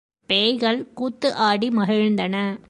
பேய்கள் கூத்து ஆடி மகிழ்ந்தன.